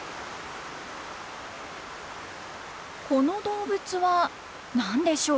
この動物は何でしょう？